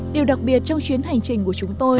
điều đặc biệt trong chuyến hành trình của chúng tôi